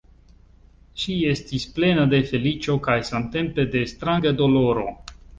Ŝi estis plena de feliĉo kaj samtempe de stranga doloro.